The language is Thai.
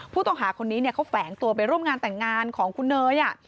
ผู้ต้องหาคนนี้เขาแฝงตัวไปร่วมงานแต่งงานของคุณเนย